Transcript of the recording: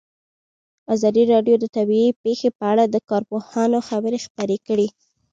ازادي راډیو د طبیعي پېښې په اړه د کارپوهانو خبرې خپرې کړي.